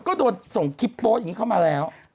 ก็โดนส่งคลิปโป๊ะอย่างนี้เข้ามาแล้ว